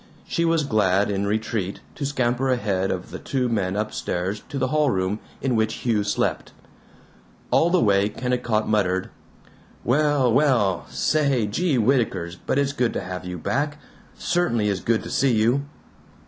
She was glad, in retreat, to scamper ahead of the two men up stairs to the hall room in which Hugh slept. All the way Kennicott muttered, "Well, well, say, gee whittakers but it's good to have you back, certainly is good to see you!"